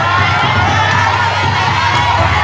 สวัสดีครับ